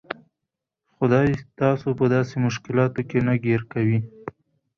خدای تاسو په داسې مشکلاتو کې نه ګیر کوي.